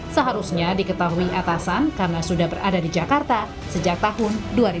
seharusnya diketahui atasan karena sudah berada di jakarta sejak tahun dua ribu dua